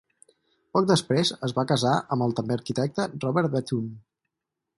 Poc després es va casar amb el també arquitecte Robert Béthune.